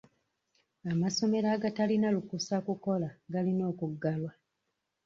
Amasomero agatalina lukisa kukola galina okuggalwa.